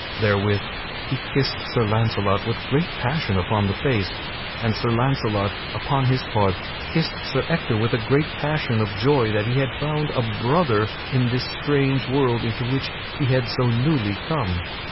Therewith he kissed Sir Launcelot with great passion upon the face. And Sir Launcelot upon his part kissed Sir Ector with a great passion of joy that he had found a brother in this strange world into which he had so newly come.